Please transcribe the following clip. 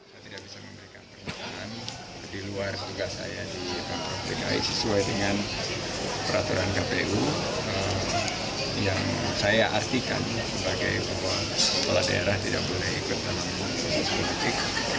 saya tidak bisa memberikan pernyataan di luar tugas saya di pemprov dki sesuai dengan peraturan kpu yang saya artikan sebagai sebuah kepala daerah tidak boleh ikut dalam proses politik